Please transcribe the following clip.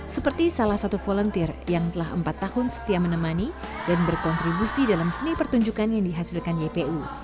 seperti salah satu volunteer yang telah empat tahun setia menemani dan berkontribusi dalam seni pertunjukan yang dihasilkan ypu